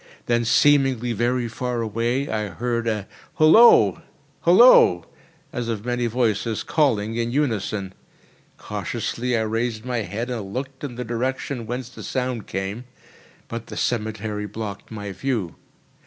Then, seemingly very far away, I heard a "Holloa! holloa!" as of many voices calling in unison. Cautiously I raised my head and looked in the direction whence the sound came; but the cemetery blocked my view.